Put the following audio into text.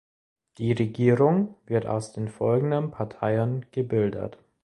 Die Regierung wird aus den folgenden Parteien gebildet.